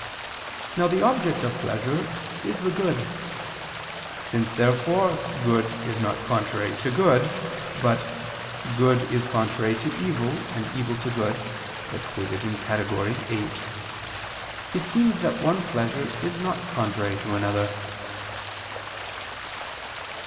Now the object of pleasure is the good. Since therefore good is not contrary to good, but "good is contrary to evil, and evil to good," as stated in Praedic. viii; it seems that one pleasure is not contrary to another.